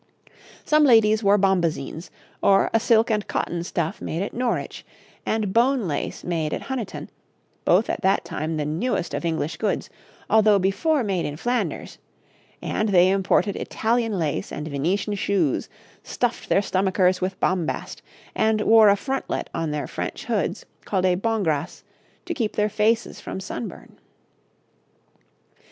Some ladies wore bombazines, or a silk and cotton stuff made at Norwich, and bone lace made at Honiton, both at that time the newest of English goods, although before made in Flanders; and they imported Italian lace and Venetian shoes, stuffed their stomachers with bombast, and wore a frontlet on their French hoods, called a bongrace, to keep their faces from sunburn.